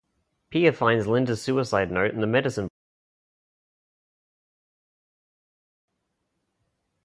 Pia finds Linda's suicide note in the medicine bottle and gives it to Christian.